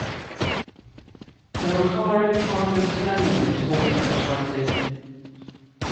The Roncari cargo terminal was also constructed.